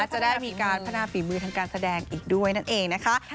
จะได้มีการพัฒนาฝีมือทางการแสดงอีกด้วยนั่นเองนะคะ